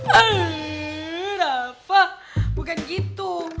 hmm rafa bukan gitu